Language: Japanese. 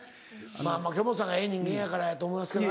まぁまぁ京本さんがええ人間やからやと思いますけど。